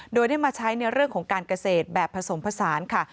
โดยได้มาใช้ในเรื่องของการเกษตรแบบผสมผสานค่ะ